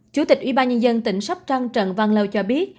chủ tịch ủy ban nhân dân tỉnh sóc trăng trần văn lâu cho biết